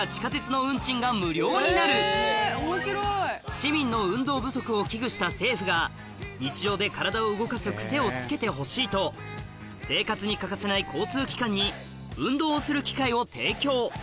市民の運動不足を危惧した政府が日常で体を動かす癖をつけてほしいと生活に欠かせない交通機関に運動する機会を提供